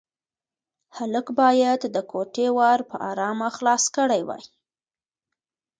هلک باید د کوټې ور په ارامه خلاص کړی وای.